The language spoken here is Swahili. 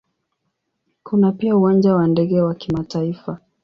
Kuna pia Uwanja wa ndege wa kimataifa.